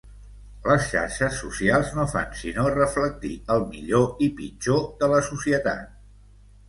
Les xarxes socials no fan sinó reflectir el millor i pitjor de la societat.